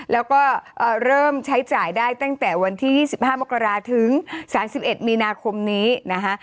แล้วก็เริ่มใช้จ่ายได้ตั้งแต่วันที่๒๕มกราถึง๓๑มีนาคมนี้นะคะ